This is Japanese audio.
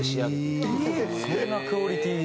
そんなクオリティー？